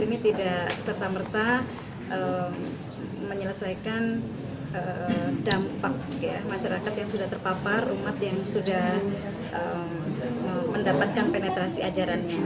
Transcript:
ini tidak serta merta menyelesaikan dampak masyarakat yang sudah terpapar umat yang sudah mendapatkan penetrasi ajarannya